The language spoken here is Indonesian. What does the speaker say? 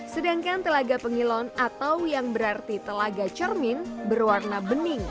sedangkan telaga pengilon atau yang berarti telaga cermin berwarna bening